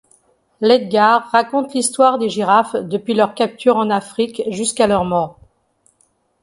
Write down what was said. Ledgard raconte l'histoire des girafes depuis leur capture en Afrique jusqu'à leur mort.